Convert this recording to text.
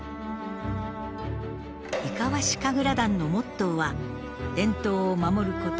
伊賀和志神楽団のモットーは「伝統を守ること。